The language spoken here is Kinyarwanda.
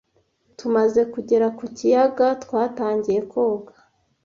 Tumaze kugera ku kiyaga, twatangiye koga.